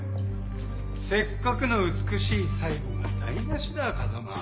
せっかくの美しい最期が台無しだ風真。